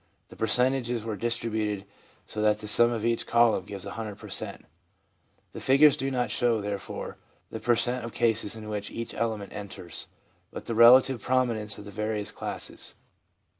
The percentages were distributed so that the sum of each column gives 100 per cent. The figures do not .show, therefore, the per cent, of cases in which each element enters, but the relative prominence of the various classes.